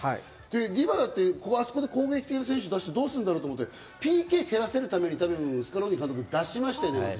ディバラって攻撃的な選手がどうするんだろうと思ってＰＫを蹴らせるためにスカローニ監督は出しましたよね。